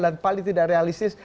dan paling tidak realistis